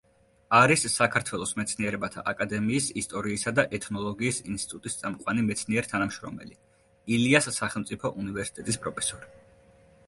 არის საქართველოს მეცნიერებათა აკადემიის ისტორიისა და ეთნოლოგიის ინსტიტუტის წამყვანი მეცნიერ-თანამშრომელი, ილიას სახელმწიფო უნივერსიტეტის პროფესორი.